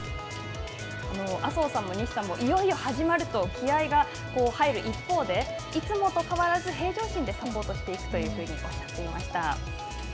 麻生さんも西さんもいよいよ始まると、気合いが入る一方でいつもと変わらず平常心でサポートしていくというふうにおっしゃっていました。